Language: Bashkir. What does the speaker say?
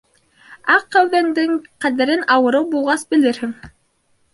Аҡ кәүҙәңдең ҡәҙерен ауырыу булғас белерһең.